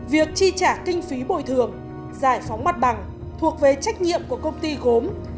việc chi trả kinh phí bồi thường giải phóng mặt bằng thuộc về trách nhiệm của công ty gốm